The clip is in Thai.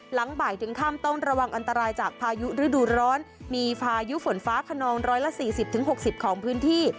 หลังบ่ายถึงข้ามต้นระวังอันตรายจากพายุฤดูร้อนมีพายุฝนฟ้าคนนองร้อยละสี่สิบถึงหกสิบของพื้นที่